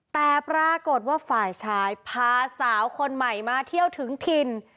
แต่ปรากฏว่าฝ่ายชายพาสาวคนใหม่มาเที่ยวถึงถิ่น